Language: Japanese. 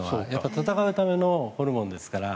戦うためのホルモンですから。